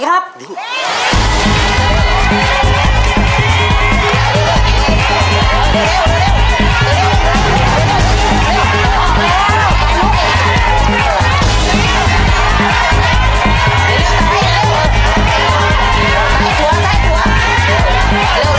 ขายครับ